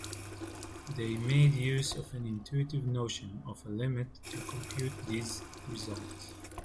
They made use of an intuitive notion of a limit to compute these results.